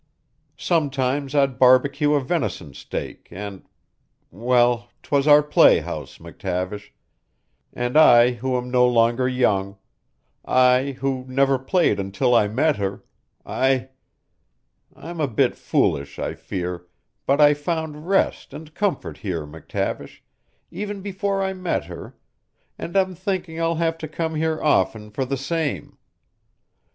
Sometimes I'd barbecue a venison steak and well, 'twas our playhouse, McTavish, and I who am no longer young I who never played until I met her I I'm a bit foolish, I fear, but I found rest and comfort here, McTavish, even before I met her, and I'm thinking I'll have to come here often for the same.